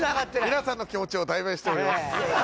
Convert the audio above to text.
皆さんの気持ちを代弁しております。